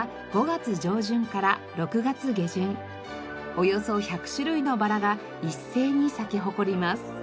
およそ１００種類のバラが一斉に咲き誇ります。